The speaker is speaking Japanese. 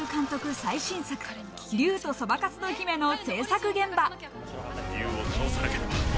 最新作『竜とそばかすの姫』の制作現場。